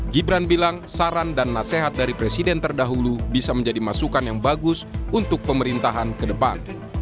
gibran bilang saran dan nasihat dari presiden terdahulu bisa menjadi masukan yang bagus untuk pemerintahan ke depan